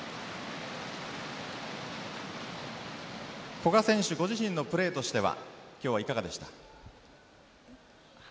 古賀選手ご自身のプレーとしては今日はいかがでしたか？